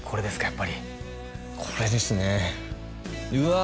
やっぱりこれですねうわ！